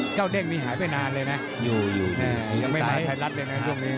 ฉี่จะแก้วันสงคัยทั้งสิ้น